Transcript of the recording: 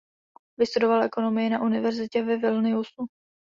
Vystudoval ekonomii na univerzitě ve Vilniusu.